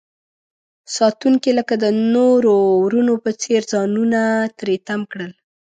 ساتونکي لکه د نورو ورونو په څیر ځانونه تری تم کړل.